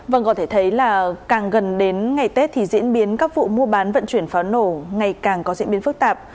vâng có thể thấy là càng gần đến ngày tết thì diễn biến các vụ mua bán vận chuyển pháo nổ ngày càng có diễn biến phức tạp